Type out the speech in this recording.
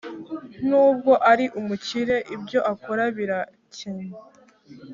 Nubwo ari umukire ibyo akora birakennye